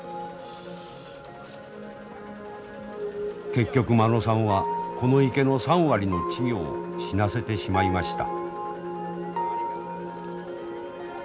結局間野さんはこの池の３割の稚魚を死なせてしまいました。